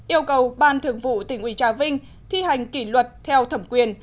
yêu cầu ban thường vụ tỉnh ủy trà vinh thi hành kỷ luật theo thẩm quyền